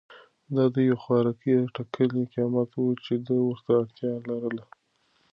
دا د یوې خوراکي ټکلې قیمت و چې ده ورته اړتیا لرله.